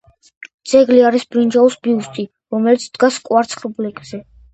ძეგლი არის ბრინჯაოს ბიუსტი, რომელიც დგას კვარცხლბეკზე.